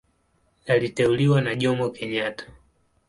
Aliteuliwa na Jomo Kenyatta.